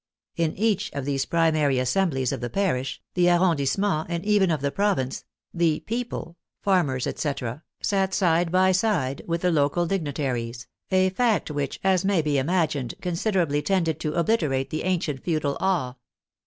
In each of these primary assemblies of the parish, the arrondissement, and even of the province, the " people, farmers, etc., sat side by side with the local dignitaries," a fact which, as may be imagined, considerably tended to obliterate the ancient feudal awe.